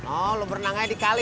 oh lu berenang aja di kali